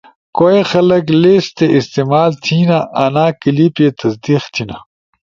کوئے خلگ لس تی استعمال تھینا آنا کلپے تصدیق تھینا